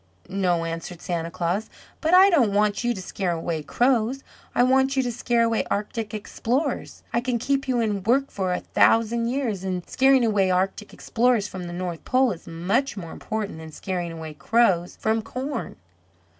"No," answered Santa Claus, "but I don't want you to scare away crows. I want you to scare away Arctic Explorers. I can keep you in work for a thousand years, and scaring away Arctic Explorers from the North Pole is much more important than scaring away crows from corn.